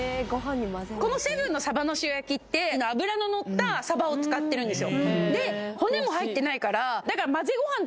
このセブンのさばの塩焼って脂の乗ったさばを使ってるんです